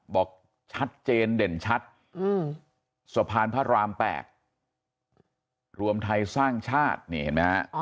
บอกชัดเจนเด่นชัดสะพานพระราม๘รวมไทยสร้างชาตินี่เห็นไหมฮะ